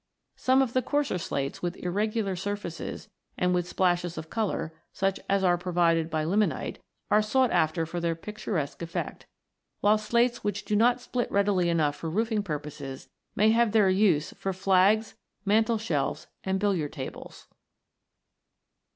7 Some of the coarser slates, with irregular surfaces, and with splashes of colour, such as are provided by limonite, are sought after for their picturesque effect; while slates which do not split readily enough for roofing purposes may have their use for flags, mantel shelves, and billiard tables.